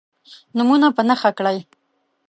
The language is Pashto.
نومونه په نښه کړئ.